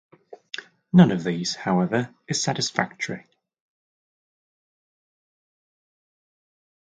None of these, however, is satisfactory.